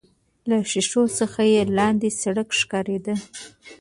له ښيښو څخه يې لاندې سړک ښکارېده.